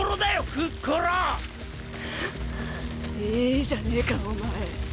フッいいじゃねえかお前。